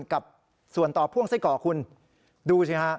กับส่วนต่อพ่วงไส้กรอกคุณดูสิฮะ